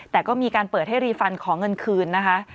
แต่ก็มีการเปิดให้รีฟันขอเงินคืนนะคะ